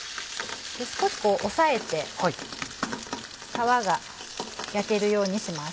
少しこう押さえて皮が焼けるようにします。